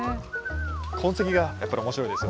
痕跡がやっぱり面白いですよね。